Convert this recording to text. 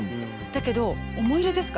だけど思い入れですか